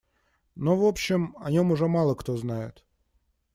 Но, в общем, о нем уже мало кто знает.